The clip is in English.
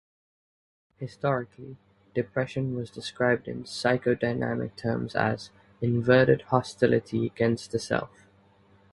Historically, depression was described in psychodynamic terms as "inverted hostility against the self".